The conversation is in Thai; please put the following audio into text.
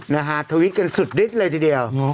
นะฮะทวิตกันสุดฤทธิ์เลยทีเดียว